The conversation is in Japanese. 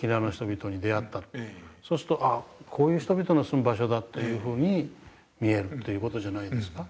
そうするとこういう人々の住む場所だというふうに見えるという事じゃないですか。